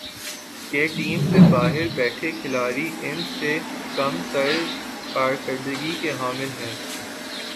کہ ٹیم سے باہر بیٹھے کھلاڑی ان سے کم تر کارکردگی کے حامل ہیں ۔